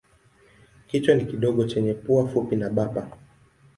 Kichwa ni kidogo chenye pua fupi na bapa.